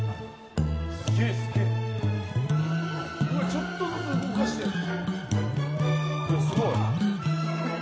ちょっとずつ動かしてるんだ。